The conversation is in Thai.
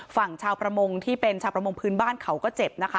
ฝั่งชาวประมงที่เป็นชาวประมงพื้นบ้านเขาก็เจ็บนะคะ